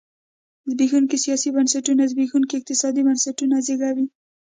زبېښونکي سیاسي بنسټونه زبېښونکي اقتصادي بنسټونه زېږوي.